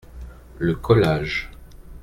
Le collage.